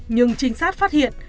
nhưng trinh sát phát hiện